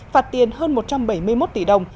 phạt tiền hơn một trăm bảy mươi một tỷ đồng